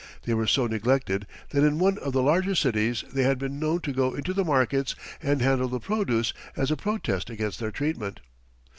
They were so neglected that in one of the larger cities they had been known to go into the markets and handle the produce, as a protest against their treatment.